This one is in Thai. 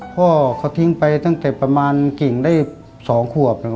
พ่อเขาทิ้งไปตั้งแต่ประมาณกิ่งได้๒ขวบ